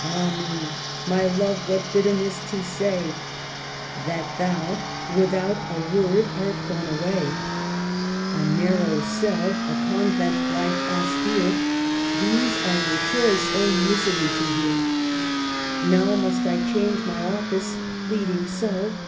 Ah me ! my love, what bitterness to say That thou without a word art gone away ! A narrow cell, a convent life austere, — These are your choice ; oh, misery to hear ! Now must I change my office, pleading so.